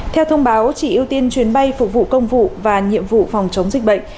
theo thông báo chỉ ưu tiên chuyến bay phục vụ công vụ và nhiệm vụ phòng chống dịch bệnh